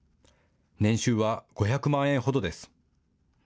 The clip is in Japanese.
年収は５００万円ほどです。